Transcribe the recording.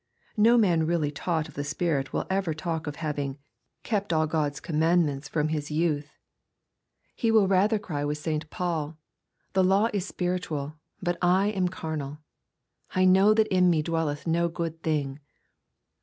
No man really taught of the Spirit will ever talk of having " kept all God's command 272 EXPOSITORY THOUGHTS. ments from his youth/' He will rather cry with St. Paul, " The law is spiritual, but I am carnal." " I know that in me dwelleth no good thing."